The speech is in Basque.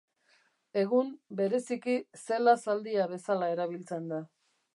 Egun bereziki zela zaldia bezala erabiltzen da.